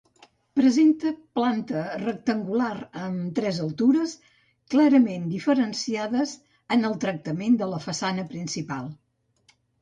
Presenta planta rectangular amb tres altures, clarament diferenciades en el tractament de la façana principal.